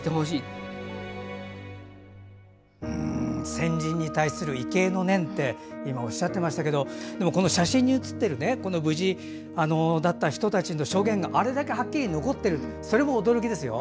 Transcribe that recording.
先人に対する畏敬の念って今、おっしゃっていましたが写真に写っている無事だった人たちの証言があれだけはっきり残っているのも驚きですよ。